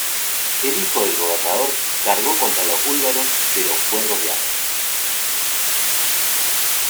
El hijo del gobernador cargo contra los búlgaros, pero fue rodeado.